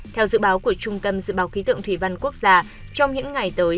theo dự báo của trung tâm dự báo khí tượng thủy văn quốc gia trong những ngày tới